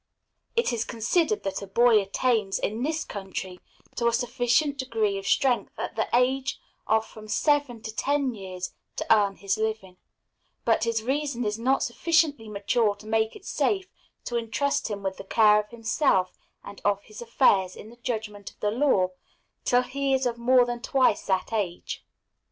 It is considered that a boy attains, in this country, to a sufficient degree of strength at the age of from seven to ten years to earn his living; but his reason is not sufficiently mature to make it safe to intrust him with the care of himself and of his affairs, in the judgment of the law, till he is of more than twice that age.